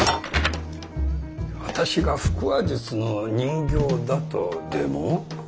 私が腹話術の人形だとでも？